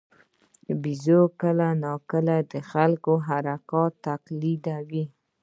بیزو کله ناکله د انسان حرکات تقلیدوي.